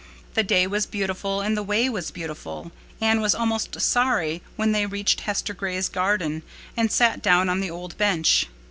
The day was beautiful and the way was beautiful. Anne was almost sorry when they reached Hester Gray's garden, and sat down on the old bench.